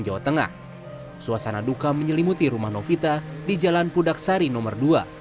jawa tengah suasana duka menyelimuti rumah novita di jalan pudaksari nomor dua